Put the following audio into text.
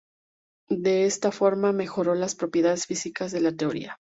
De esta forma mejoró las propiedades físicas de la teoría.